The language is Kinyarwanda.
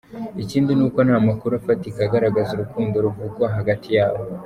Ikindi ni uko nta makuru afatika agaragaza urukundo ruvugwa hagati yabo .